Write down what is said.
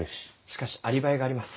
しかしアリバイがあります。